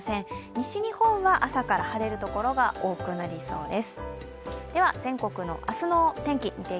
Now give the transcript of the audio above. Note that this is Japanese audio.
西日本は朝から晴れる所が多くなりそうです。